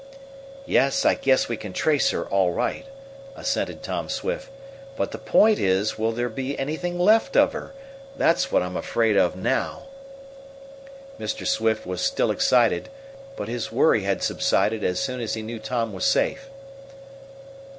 "Yes, I guess we can trace her, all right," assented Tom Swift; "but the point is, will there be anything left of her? That's what I'm afraid of now." Mr. Swift was still excited, but his worry had subsided as soon as he knew Tom was safe.